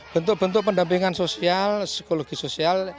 bentuk bentuk pendampingan sosial psikologi sosial